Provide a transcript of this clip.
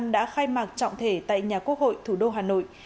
đã khai mạc trọng thể tại nhà quốc hội thủ đô hà nội